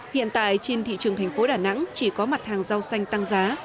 hiện tại trên thị trường thành phố đà nẵng chỉ có mặt hàng rau xanh tăng giá